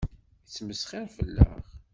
Yettmesxiṛ fell-aɣ.